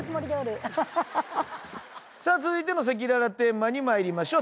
さあ続いての赤裸々テーマに参りましょう。